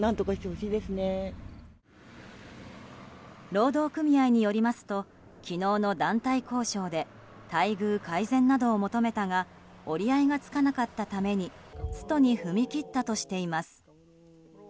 労働組合によりますと昨日の団体交渉で待遇改善などを求めたが折り合いがつかなかったためにストに踏み切ったとしています。